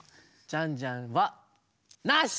ジャンジャンはなし！